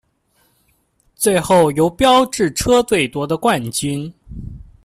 最后由标致车队夺得冠军。